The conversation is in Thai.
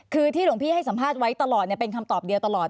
คือที่หลวงพี่ให้สัมภาษณ์ไว้ตลอดเป็นคำตอบเดียวตลอด